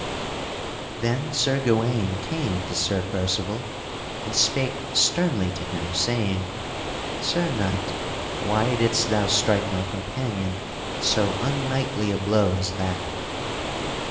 Then Sir Gawaine came to Sir Percival and spake sternly to him saying. "Sir Knight, why didst thou strike my companion so unknightly a blow as that?"